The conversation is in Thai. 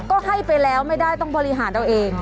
ก็ให้ไปแล้วไม่ได้ต้องบริหารเอาเอง